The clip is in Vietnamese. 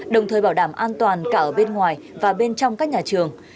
đồng thời bảo đảm an toàn cả ở bên ngoài và bên trong các nhà trường